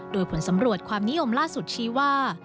โดยผลสำรวจความนิยมล่าสุดชี้ว่า